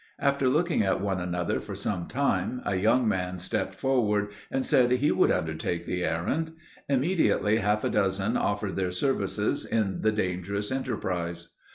After looking at one another for some time, a young man stepped forward, and said he would undertake the errand. Immediately, half a dozen offered their services in the dangerous enterprise.